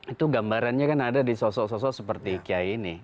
itu gambarannya kan ada di sosok sosok seperti kiai ini